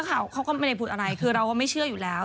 เขาก็ไม่ได้พูดอะไรคือเราก็ไม่เชื่ออยู่แล้ว